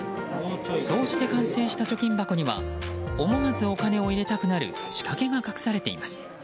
そうして完成した貯金箱には思わずお金を入れたくなる仕掛けが隠されています。